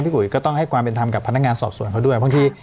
อุ๋ยก็ต้องให้ความเป็นธรรมกับพนักงานสอบส่วนเขาด้วยบางที